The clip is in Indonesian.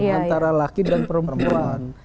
antara laki dan perempuan